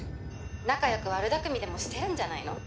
「仲良く悪巧みでもしてるんじゃないの？」